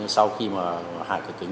sau khi mà hạ cửa kính